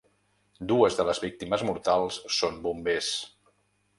Dues de les víctimes mortals són bombers.